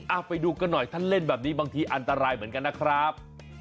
ไปดูกันหน่อยถ้าเล่นแบบนี้บางทีอันตรายเหมือนกันนะครับ